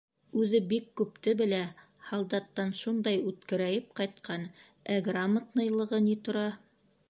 Үҙе бик күпте белә, һалдаттан шундай үткерәйеп ҡайтҡан, ә грамотныйлығы ни тора?